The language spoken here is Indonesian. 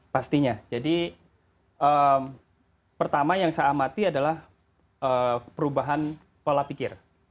pastinya jadi pertama yang saya amati adalah perubahan pola pikir